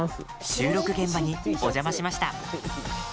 収録現場にお邪魔しました。